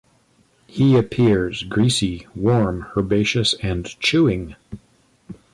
He appears: greasy, warm, herbaceous, and chewing.